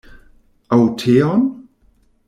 Aŭ teon?